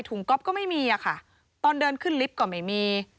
ก๊อปก็ไม่มีอะค่ะตอนเดินขึ้นลิฟต์ก็ไม่มี